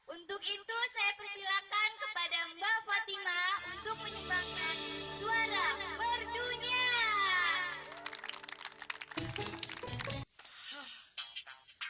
untuk itu saya persilakan kepada mbak fatima untuk menyumbangkan suara berdunia